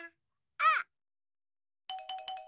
あっ！